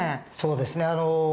そうですね。